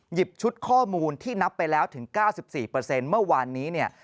หยิบชุดข้อมูลที่นับไปแล้วถึง๙๔เมื่อวานนี้เนี่ย